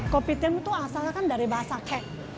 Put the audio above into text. kopi tiam itu asalnya kan dari bahasa kek